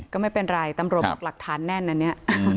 ก็ไม่เป็นไรตำรวจบอกหลักฐานแน่นนะเนี่ย